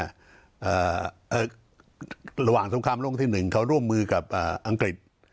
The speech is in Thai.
ระหว่างสงครามโลกที่๑เขาร่วมมือกับอังกฤษ